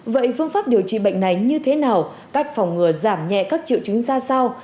vậy phương pháp điều trị bệnh này như thế nào cách phòng ngừa giảm nhẹ các triệu chứng ra sao